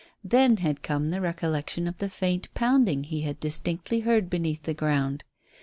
Then had come the recollection of the faint pounding he had distinctly heard beneath the ground.